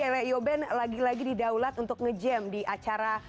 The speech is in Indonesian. eleo ben lagi lagi di daulat untuk nge jam di acara